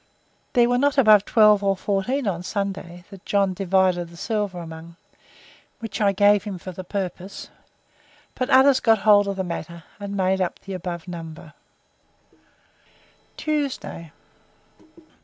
There were not above twelve or fourteen on Sunday, that John divided the silver among, which I gave him for that purpose; but others got hold of the matter, and made up to the above number. Tuesday.